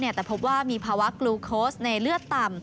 แต่พบว่ามีภาวะกลูโค้ชในเลือดต่ำ